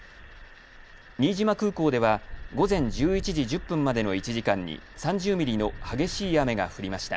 新島空港では午前１１時１０分までの１時間に３０ミリの激しい雨が降りました。